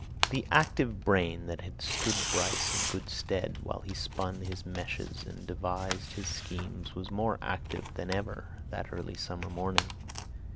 The active brain that had stood Bryce in good stead while he spun his meshes and devised his schemes was more active than ever that early summer morning.